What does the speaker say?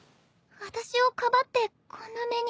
私をかばってこんな目に。